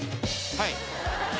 はい！